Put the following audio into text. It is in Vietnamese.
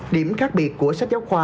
điểm khác biệt của sách giáo khoa